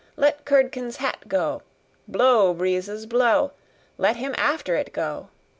Let Curdken's hat go! Blow, breezes, blow! Let him after it go!